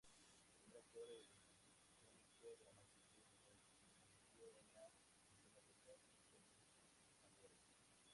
Primer actor cómico-dramático, se inició en la escena teatral porteña de sus albores.